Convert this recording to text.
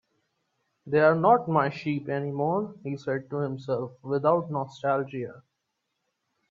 "They're not my sheep anymore," he said to himself, without nostalgia.